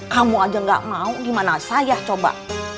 kamu aja gak mau gimana saya coba